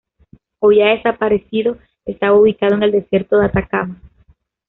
Hoy ya desaparecido, estaba ubicado en en el Desierto de Atacama.